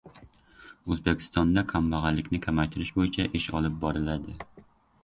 O‘zbekistonda kambag‘allikni kamaytirish bo‘yicha ish olib boriladi